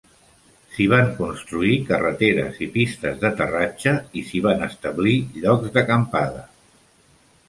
S'hi van construir carreteres i pistes d'aterratge, i s'hi van establir llocs de d'acampada.